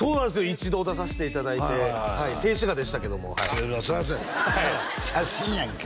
一度出させていただいてはい静止画でしたけどもはいそりゃそうや写真やんけ